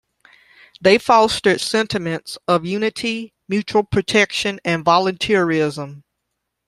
They fostered sentiments of unity, mutual protection, and volunteerism.